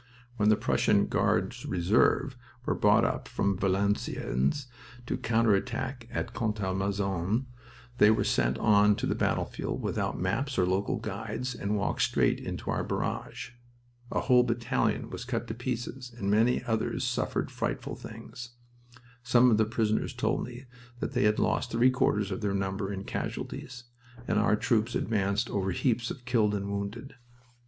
When the Prussian Guards Reserves were brought up from Valenciennes to counter attack at Contalmaison they were sent on to the battlefield without maps or local guides, and walked straight into our barrage. A whole battalion was cut to pieces and many others suffered frightful things. Some of the prisoners told me that they had lost three quarters of their number in casualties, and our troops advanced over heaps of killed and wounded.